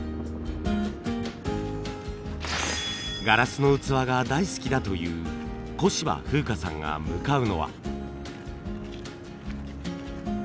ガラスの器が大好きだという小芝風花さんが向かうのは。